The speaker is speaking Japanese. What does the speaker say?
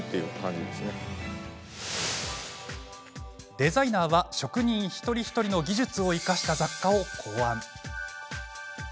デザイナーは職人、一人一人の技術を生かした雑貨を考案。